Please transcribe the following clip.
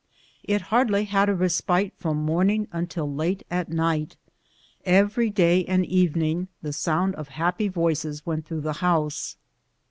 It hardly had a respite from morning until late at night. Every day and evening the sound of happy voices went through the house.